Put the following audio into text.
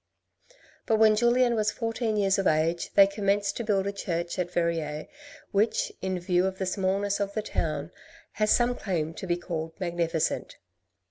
But when Julien was fourteen years of age they commenced to build a church at Verrieres which, in view of the smallness of the town, has some claim to be called magnificent.